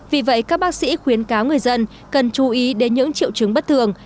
vì vậy các bác sĩ khuyến cáo người dân cần chú ý đến những triệu chứng bất thường